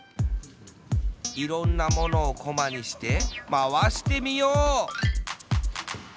いろんなものをこまにしてまわしてみよう！